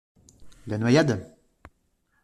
La noyade?